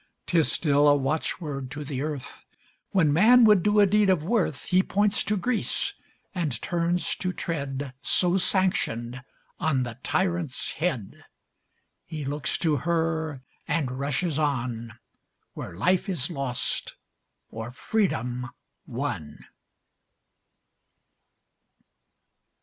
'Tis still a watchword to the earth: When man would do a deed of worth He points to Greece, and turns to tread, So sanctioned, on the tyrant's head; He looks to her, and rushes on Where life is lost, or freedom won.